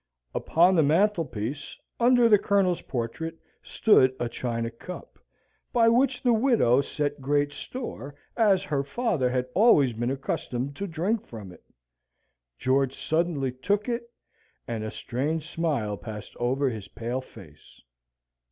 Upon the mantelpiece, under the Colonel's portrait, stood a china cup, by which the widow set great store, as her father had always been accustomed to drink from it. George suddenly took it, and a strange smile passed over his pale face.